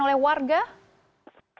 apa yang dilakukan oleh warga